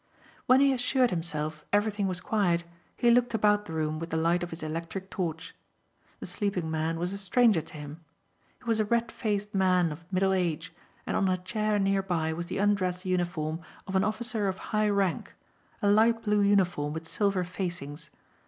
When he assured himself everything was quiet he looked about the room with the light of his electric torch. The sleeping man was a stranger to him. He was a red faced man of middle age and on a chair nearby was the undress uniform of an officer of high rank, a light blue uniform with silver facings.